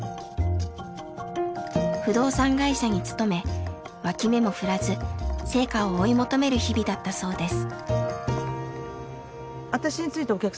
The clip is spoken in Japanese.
不動産会社に勤め脇目も振らず成果を追い求める日々だったそうです。